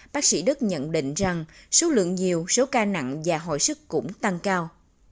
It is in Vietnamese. bác sĩ đức nhận định rằng số lượng nhiều số ca nặng và hồi sức cũng tăng cao